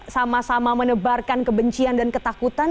sama sama menebarkan kebencian dan ketakutan